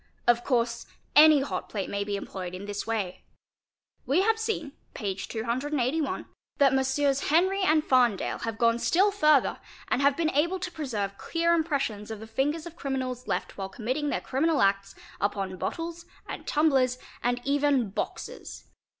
Of course any hot plate may be employed in this way. We have seen (p. 281) that Messrs. Henry and Farndale have gone still further and have been able to preserve clear impressions of the fingers of criminals left while committing their criminal acts upon bottles and tumb lers and even boxes.